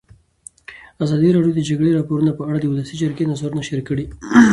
ازادي راډیو د د جګړې راپورونه په اړه د ولسي جرګې نظرونه شریک کړي.